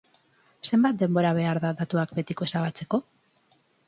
Zenbat denbora behar da datuak betiko ezabatzeko?